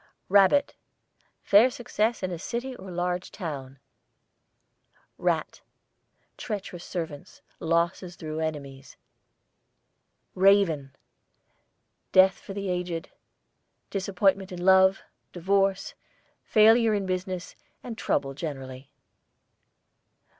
RABBIT, fair success in a city or large town. RAT, treacherous servants; losses through enemies. RAVEN, death for the aged; disappointment in love, divorce, failure in business, and trouble generally.